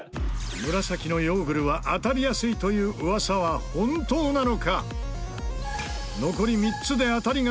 紫のヨーグルは当たりやすいという噂は本当なのか？